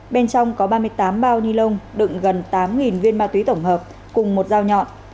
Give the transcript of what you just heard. bên trong có ba mươi tám bao ni lông đựng gần tám viên ma túy tổng hợp cùng một dao nhọn